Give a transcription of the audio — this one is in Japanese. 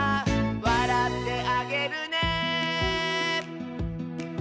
「わらってあげるね」